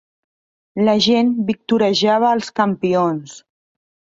La gent victorejava els campions.